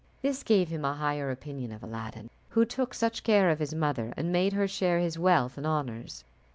This gave him a higher opinion of Aladdin, who took such care of his mother, and made her share his wealth and honours.